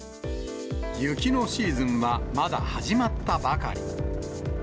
雪のシーズンは、まだ始まったばかり。